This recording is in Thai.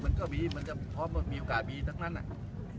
หรือว่าคิดว่าจะไม่มีเลยเฮ้ยมันก็มีเหมาะมันจะพอมีโอกาสมีทั้งนั้นอ่ะ